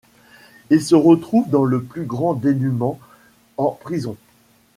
Il se retrouve dans le plus grand dénuement en prison.